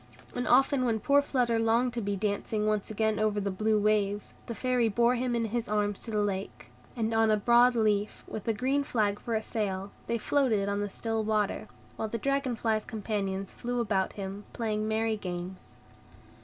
And often when poor Flutter longed to be dancing once again over the blue waves, the Fairy bore him in his arms to the lake, and on a broad leaf, with a green flag for a sail, they floated on the still water; while the dragon fly's companions flew about them, playing merry games.